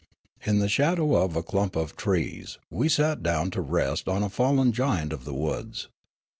In the shadow of a clump of trees we sat down to rest on a fallen giant of the woods.